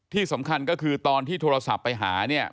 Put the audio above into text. ที่สำคัญก็คือตอนที่โทรศัพท์ไปหาเนี่ย